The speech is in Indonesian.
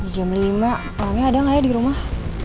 jam lima orangnya ada gak ya di rumah